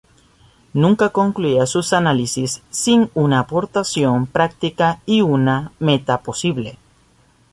Nunca concluía sus análisis sin una aportación práctica y una meta posible.